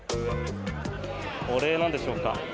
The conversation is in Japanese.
お礼なんでしょうか。